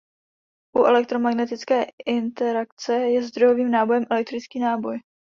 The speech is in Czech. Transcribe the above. U elektromagnetické interakce je zdrojovým nábojem elektrický náboj.